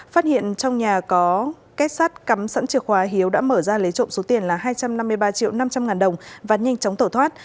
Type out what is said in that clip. phát hiện trong nhà có kết sắt cắm sẵn chìa khóa hiếu đã mở ra lấy trộm số tiền là hai trăm năm mươi ba triệu năm trăm linh ngàn đồng và nhanh chóng tổ thoát